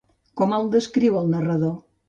Com el descriu el narrador?